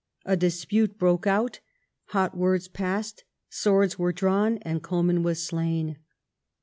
A dispute broke out. Hot words passed. Swords were drawn, and Comyn was slain.